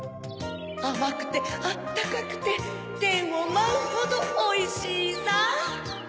あまくてあったかくててんをまうほどおいしいさ！